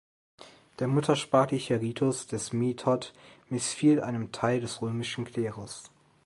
Der muttersprachliche Ritus des Method missfiel einem Teil des römischen Klerus.